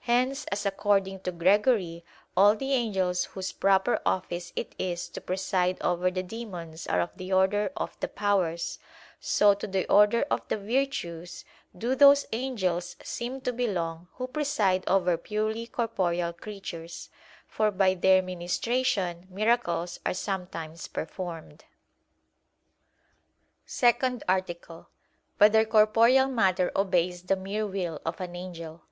Hence as according to Gregory all the angels whose proper office it is to preside over the demons are of the order of the "powers"; so to the order of the "virtues" do those angels seem to belong who preside over purely corporeal creatures; for by their ministration miracles are sometimes performed. _______________________ SECOND ARTICLE [I, Q. 110, Art. 2] Whether Corporeal Matter Obeys the Mere Will of an Angel?